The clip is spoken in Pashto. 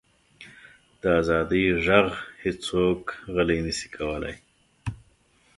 د ازادۍ ږغ هیڅوک غلی نه شي کولی.